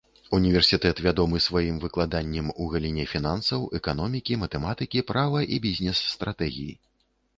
Універсітэт вядомы сваім выкладаннем у галіне фінансаў, эканомікі, матэматыкі, права і бізнес-стратэгій.